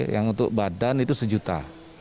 yang untuk badan itu sejuta